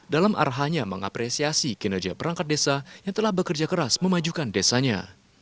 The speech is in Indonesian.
dalam arahannya mengapresiasi kinerja perangkat desa yang telah bekerja keras memajukan desanya